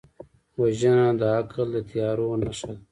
وژنه د عقل د تیارو نښه ده